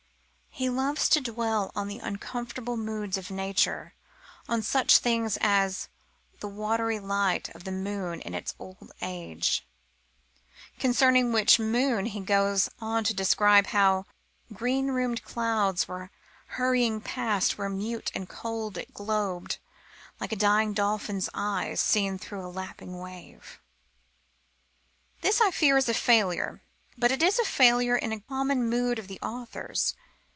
He loves to dwell on the uncomfortable moods of nature on such things as: ... the watery light Of the moon in its old age; concerning which moon he goes on to describe how: Green rheumed clouds were hurrying past where mute and cold it globed Like a dying dolphin's eye seen through a lapping wave. This, I fear, is a failure, but it is a failure in a common mood of the author's.